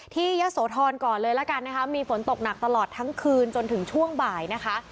ยะโสธรก่อนเลยละกันนะคะมีฝนตกหนักตลอดทั้งคืนจนถึงช่วงบ่ายนะคะ